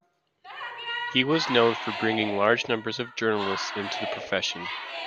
He was known for bringing large numbers of journalists into the profession.